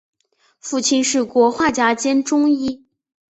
父亲是国画家兼中医。